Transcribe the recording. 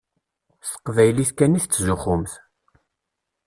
S teqbaylit kan i tettzuxxumt.